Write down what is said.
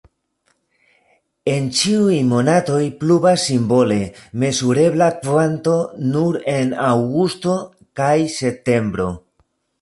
En ĉiuj monatoj pluvas simbole, mezurebla kvanto nur en aŭgusto kaj septembro.